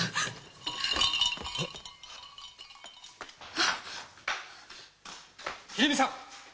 あぁっ！！秀美さん！